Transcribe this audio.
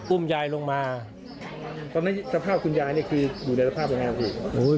อุ้มยายลงมาตอนนั้นสภาพคุณยายนี่คืออยู่ในสภาพยังไงครับพี่